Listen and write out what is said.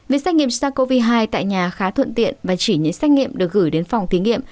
việc xét nghiệm sars cov hai tại nhà khá thuận tiện và chỉ những xét nghiệm được gửi đến phòng thí nghiệm